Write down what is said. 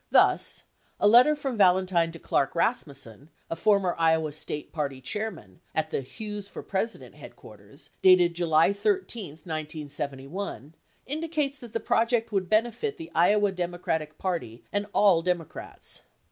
Thus, a letter from Valentine to Clark Rasmussen, a former Iowa State Party Chairman, at the "Hughes for President" headquarters dated July 13, 1971, indicates that the project would benefit the Iowa Democratic Party and all Iowa Democrats.